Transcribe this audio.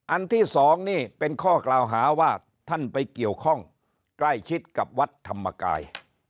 ที่สองนี่เป็นข้อกล่าวหาว่าท่านไปเกี่ยวข้องใกล้ชิดกับวัดธรรมกาย